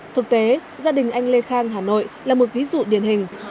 thực tế gia đình anh lê khang hà nội là một ví dụ điển hình